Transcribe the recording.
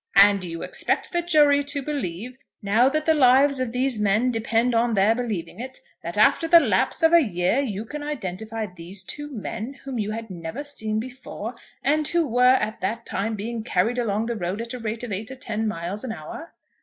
"And you expect the jury to believe, now that the lives of these men depend on their believing it, that after the lapse of a year you can identify these two men, whom you had never seen before, and who were at that time being carried along the road at the rate of eight or ten miles an hour?"